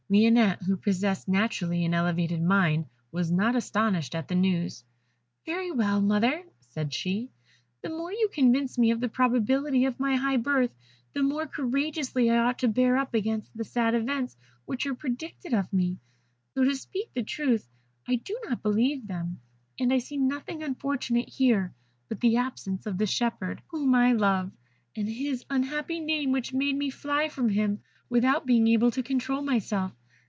Lionette, who possessed naturally an elevated mind, was not astonished at this news. "Very well, mother," said she; "the more you convince me of the probability of my high birth, the more courageously I ought to bear up against the sad events which are predicted of me, though, to speak the truth, I do not believe in them; and I see nothing unfortunate here but the absence of the shepherd whom I love, and his unhappy name, which made me fly from him without being able to control myself.